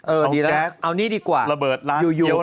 เออได้แล้วเอานี่ดีกว่าระเบิดร้านเกี้ยวก่อน